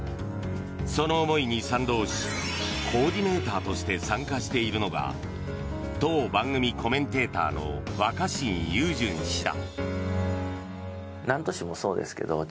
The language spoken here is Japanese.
その思いに賛同しコーディネーターとして参加しているのが当番組コメンテーターの若新雄純氏だ。